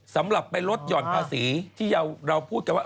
สำหรับไปลดหย่อนภาษีที่เราพูดกันว่า